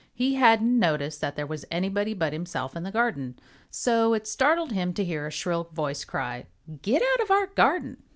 He hadn't noticed that there was anybody but himself in the garden. So it startled him to hear a shrill voice cry, "Get out of our garden!"